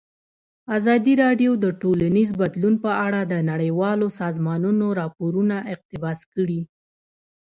ازادي راډیو د ټولنیز بدلون په اړه د نړیوالو سازمانونو راپورونه اقتباس کړي.